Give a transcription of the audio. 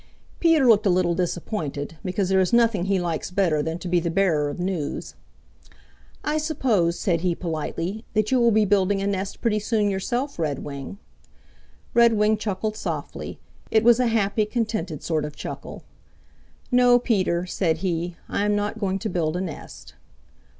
Peter looked a little disappointed, because there is nothing he likes better than to be the bearer of news. "I suppose," said he politely, "that you will be building a nest pretty soon yourself, Redwing." Redwing chuckled softly. It was a happy, contented sort of chuckle. "No, Peter," said he. "I am not going to build a nest."